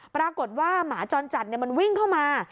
ปรากฏว่าหมาจรจัดมันวิ่งเข้ามา